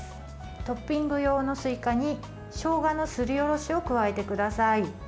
トッピング用のすいかにしょうがのすりおろしを加えてください。